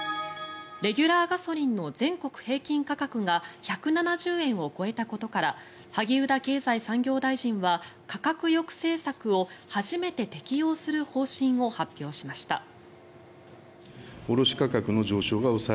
レギュラーガソリンの全国平均価格が１７０円を超えたことから萩生田経済産業大臣は価格抑制策を初めて適用する方針を発表しました。